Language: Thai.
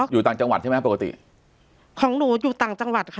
อยู่ต่างจังหวัดใช่ไหมปกติของหนูอยู่ต่างจังหวัดค่ะ